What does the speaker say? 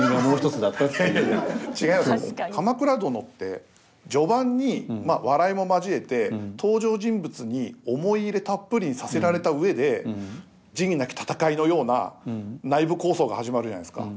「鎌倉殿」って序盤に笑いも交えて登場人物に思い入れたっぷりにさせられた上で「仁義なき戦い」のような内部抗争が始まるじゃないですか。